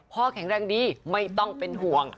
แข็งแรงดีไม่ต้องเป็นห่วง